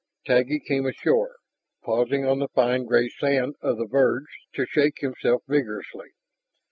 Taggi came ashore, pausing on the fine gray sand of the verge to shake himself vigorously.